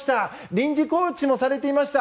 臨時コーチもされていました。